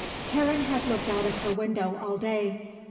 Karen had looked out of her window all day.